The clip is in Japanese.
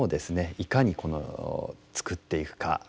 いかに作っていくか。